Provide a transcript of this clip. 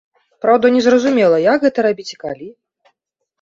Праўда, незразумела, як гэта рабіць і калі.